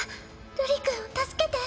瑠璃君を助けて。